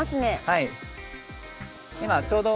はい。